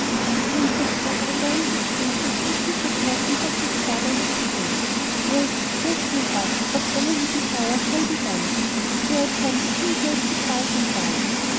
The Prince was so overwhelmed with grief that he could think of nothing but his father, and exclaimed: 'Yes, yes, dear father, whatever you desire shall be done.' Thereupon the King closed his eyes and died.